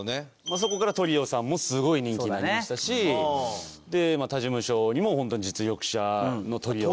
そこから『３３３トリオさん』もすごい人気になりましたし他事務所にもホントに実力者のトリオ。